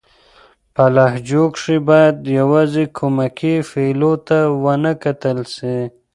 په لهجو کښي بايد يوازي کومکي فعلو ته و نه کتل سي.